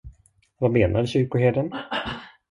Vad menar kyrkoherden?